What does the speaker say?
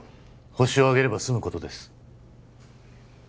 ホシを挙げれば済むことです